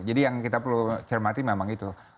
jadi yang kita perlu cermati memang itu